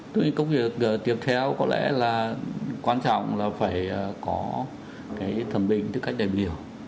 tôi nghĩ công việc tiếp theo có lẽ là quan trọng là phải có cái thẩm bình tư cách đại biểu